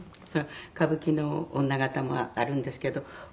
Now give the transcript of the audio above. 歌舞伎の女形もあるんですけど男役。